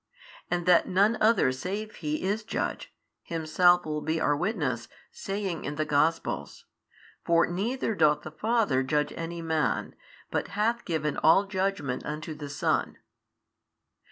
And that none other save He is Judge, Himself will be our witness, saying in the Gospels, For neither doth the Father judge any man, but hath given all judgment unto the Son.